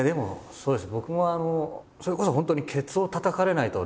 そうです。